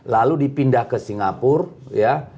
lalu dipindah ke singapura ya